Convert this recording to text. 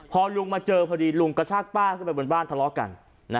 พอลุงมาเจอพอดีลุงกระชากป้าขึ้นไปบนบ้านทะเลาะกัน